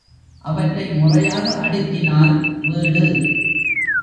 அவற்றை முறையாக அடுக்கினால் வீடு!